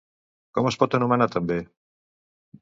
Com es pot anomenar també?